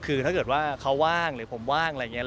คือถ้าเกิดว่าเขาว่างหรือผมว่างอะไรอย่างนี้